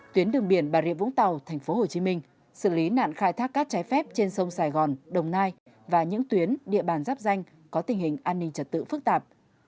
tuyến đường biển bà rịa vũng tàu thành phố hồ chí minh xử lý nạn khai thác các trái phép trên sông sài gòn đồng nai và những tuyến địa bàn giáp danh có tình hình an ninh trật tự phức tạp